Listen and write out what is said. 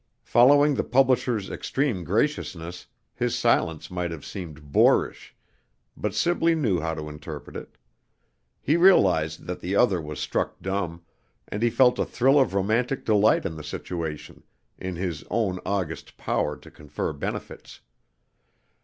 Following the publisher's extreme graciousness his silence might have seemed boorish, but Sibley knew how to interpret it. He realized that the other was struck dumb, and he felt a thrill of romantic delight in the situation, in his own august power to confer benefits.